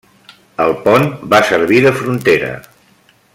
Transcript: El pont va servir de frontera.